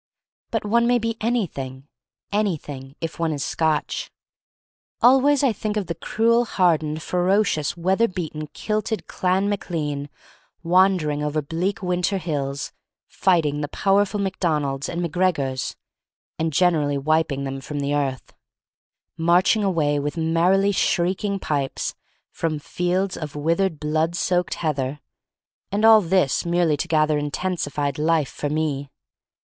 But one may be anything — anything, if one is Scotch. Always I think of the cruel, hard ened, ferocious, weather beaten, kilted Clan Mac Lean wandering over bleak winter hills, fighting the powerful Mac Donalds and Mac Gregors — and gener ally wiping them from the earth, — marching away with merrily shrieking pipes [irom fields of withered, blood soaked heather — and all this merely to gather intensified life for me.